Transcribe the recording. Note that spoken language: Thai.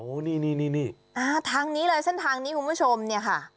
โอ้โหนี่นี่ทางนี้เลยเส้นทางนี้คุณผู้ชมเนี่ยค่ะ